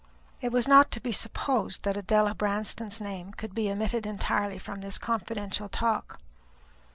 It was not to be supposed that Adela Branston's name could be omitted entirely from this confidential talk.